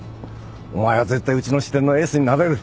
お前は絶対うちの支店のエースになれる